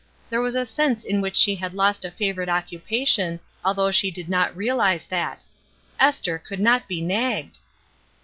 There was a sense in which she had lost a favorite occupation, although she did not realize that — Esther could not be nagged